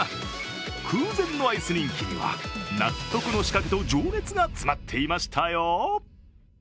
空前のアイス人気には納得の仕掛けと情熱が詰まっていましたよ。